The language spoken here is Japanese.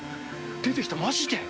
出てきた、まじで。